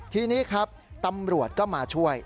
ทีนี้ครับตำรวจก็มาช่วย